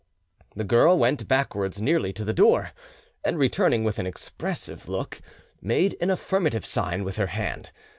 The girl went backwards nearly to the door, and returning with an expressive look, made an affirmative sign with her hand.